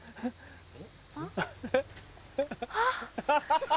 ハハハ！